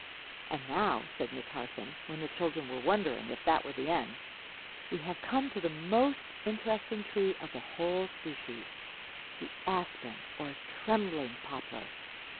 "And now," said Miss Harson, when the children were wondering if that were the end, "we have come to the most interesting tree of the whole species the aspen, or trembling poplar.